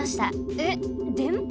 えっでんぱ？